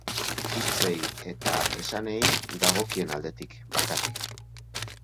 Hitzei eta esanei dagokien aldetik bakarrik.